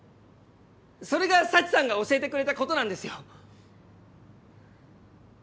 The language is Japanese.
それが佐知さんが教えてくれたことなんですよ！